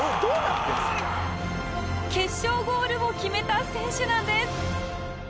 決勝ゴールを決めた選手なんです